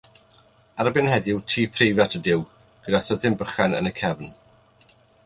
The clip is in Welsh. Erbyn heddiw, tŷ preifat ydyw, gyda thyddyn bychan yn y cefn.